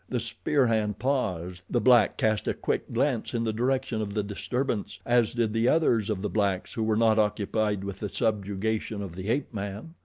The spear hand paused, the black cast a quick glance in the direction of the disturbance, as did the others of the blacks who were not occupied with the subjugation of the ape man.